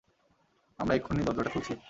আমরা এক্ষুনি দরজাটা খুলছি!